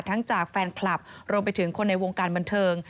จากแฟนคลับรวมไปถึงคนในวงการบันเทิง